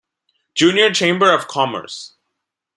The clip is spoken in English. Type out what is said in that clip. Junior Chamber of Commerce.